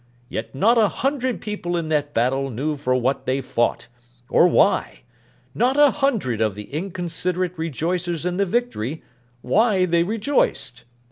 Yet not a hundred people in that battle knew for what they fought, or why; not a hundred of the inconsiderate rejoicers in the victory, why they rejoiced.